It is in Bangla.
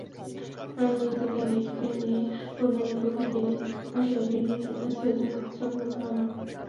নারায়ণগঞ্জ থেকে মেয়েকে নিয়ে বইমেলার প্রথম দিনে আসেন গৃহিণী সৈয়দা শবনম রহমান।